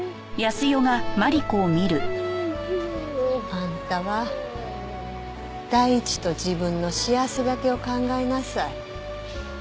あんたは大地と自分の幸せだけを考えなさい。